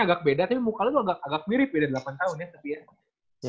agak beda tapi muka lu tuh agak mirip beda delapan tahun ya tapi ya